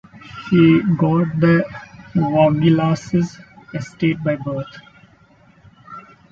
She got the Vaugelas's estate, by birth.